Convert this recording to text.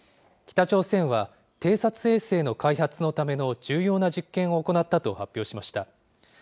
北朝鮮は偵察衛星の開発のための重要な実験を行ったと発表しました。